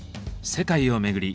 世界を巡り